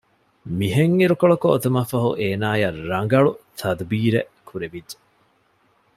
މިހެން އިރުކޮޅަކު އޮތުމަށް ފަހު އޭނާޔަށް ރަނގަޅު ތަދުބީރެއް ކުރެވިއްޖެ